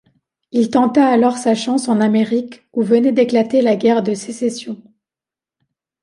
Il tenta alors sa chance en Amérique où venait d'éclater la guerre de Sécession.